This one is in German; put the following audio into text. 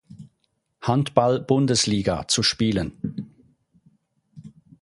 Handball-Bundesliga" zu spielen.